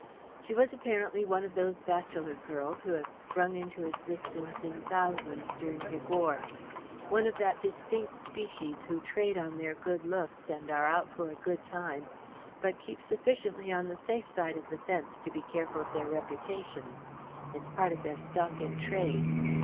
She was, apparently, one of those bachelor girls who have sprung into existence in thousands during the war one of that distinct species who trade on their good looks and are out for a good time, but keep sufficiently on the safe side of the fence to be careful of their reputations. It's part of their stock in trade.